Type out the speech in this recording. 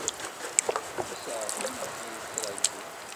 D tisaεtin nekni nettraju.